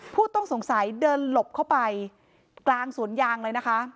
ผู้ต้องสงสัยเดินหลบเข้าไปกลางสวนยางเลยนะคะ